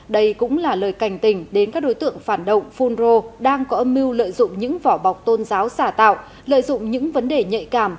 đây cũng là lời cảnh tình đến các đối tượng phản động phun rô đang có âm mưu lợi dụng những vỏ bọc tôn giáo xả tạo lợi dụng những vấn đề nhạy cảm